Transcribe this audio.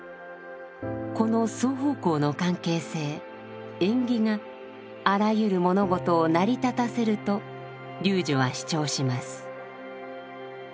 この双方向の関係性縁起があらゆる物事を成り立たせると龍樹は主張します。